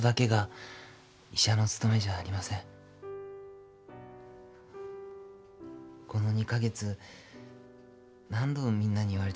この２か月何度みんなに言われたことか。